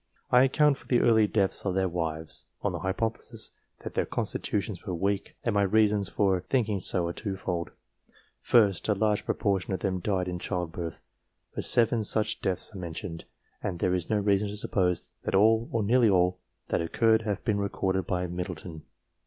I account for the early deaths of their wives, on the hypothesis that their constitutions were weak, and my reasons for thinking so are twofold. First, a very large proportion of them died in childbirth, for seven such deaths are mentioned, and there is no reason to suppose that all, or nearly all, that occurred have been recorded by Middle ton.